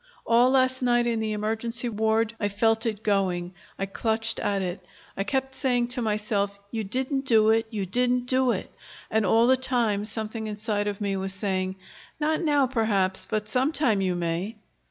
All last night, in the emergency ward, I felt it going. I clutched at it. I kept saying to myself: 'You didn't do it, you didn't do it'; and all the time something inside of me was saying, 'Not now, perhaps; but sometime you may.'"